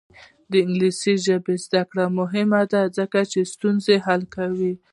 د انګلیسي ژبې زده کړه مهمه ده ځکه چې ستونزې حل کوي.